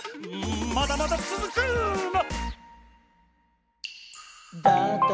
まだまだつづくの！